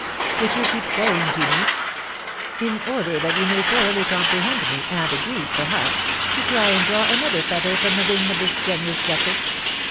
'" "Which you keep saying to me " "In order that you may thoroughly comprehend me, and agree, perhaps, to try and draw another feather from the wing of this generous duchess."